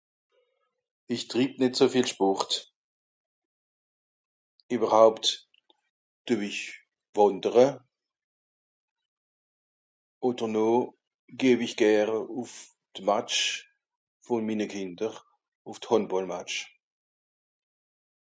Ich trieb nìtt so viel Sport. Iwwerhaupt tuew ich wàndere oder no gehw ich gäre ùff d'Match von minne Kinder, ùff d'Hàndbolmatch